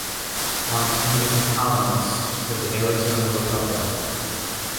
Montini is a columnist for "The Arizona Republic".